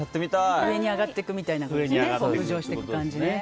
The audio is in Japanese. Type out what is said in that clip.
上に上がっていくみたいな北上していく感じね。